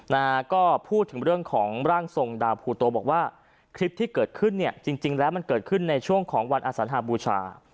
นะฮะก็พูดถึงเรื่องของร่างทรงดาวภูโตบอกว่าคลิปที่เกิดขึ้นเนี่ยจริงจริงแล้วมันเกิดขึ้นในช่วงของวันอสัญหาบูชา